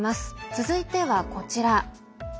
続いてはこちら。